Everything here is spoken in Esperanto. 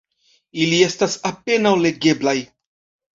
Ili estas apenaŭ legeblaj.